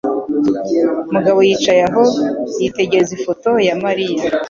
Mugabo yicaye aho, yitegereza ifoto ya Mariya.